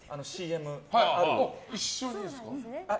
一緒にですか？